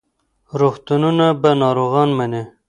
روغتونونه به ناروغان مني.